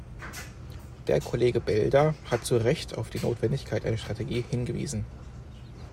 Der Kollege Belder hat zu Recht auf die Notwendigkeit einer Strategie hingewiesen.